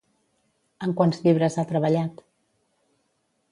En quants llibres ha treballat?